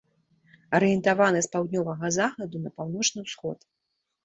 Арыентаваны з паўднёвага захаду на паўночны ўсход.